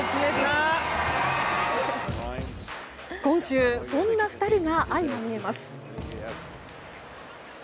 今週そんな２人が相まみえます。